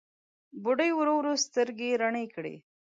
بوډۍ ورو ورو سترګې رڼې کړې.